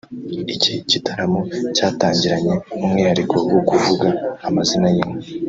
Iki gitaramo cyatangiranye umwihariko wo kuvuga amazina y’inka